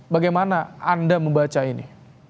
bagaimana anda membaca ini